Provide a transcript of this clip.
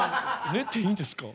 ねていいんですか？